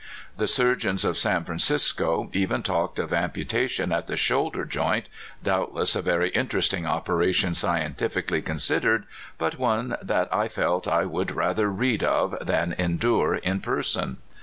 The suroreons of San Francisco even talked of amputation at the shoulder joint, doubtless a very (312) HOW THE MONKY CAME. 313 interesting operation scientifically considered, but one that I felt I would rather read of than endure in person.